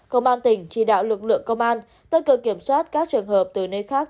công an tỉnh chỉ đạo lực lượng công an tất cơ kiểm soát các trường hợp từ nơi khác